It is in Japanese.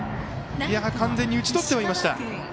完全に打ち取ってはいました。